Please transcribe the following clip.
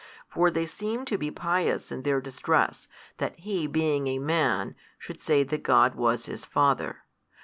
For they seemed to be pious in their distress that He being a Man, should say that God was His Father.